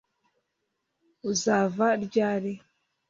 uzava ryari